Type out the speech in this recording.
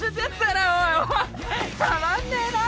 たまんねえな！